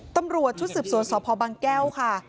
ตำรวจชุดสืบสวนสพบางแก้วค่ะ